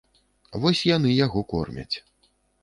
Вось яны яго кормяць.